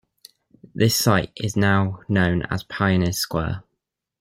This site is now known as Pioneer Square.